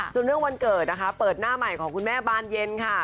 ส่วนเรื่องวันเกิดนะคะเปิดหน้าใหม่ของคุณแม่บานเย็นค่ะ